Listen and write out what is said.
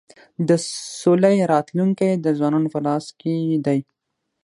د سولی راتلونکی د ځوانانو په لاس کي دی.